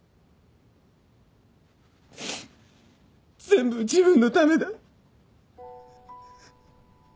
全部自分のためだ。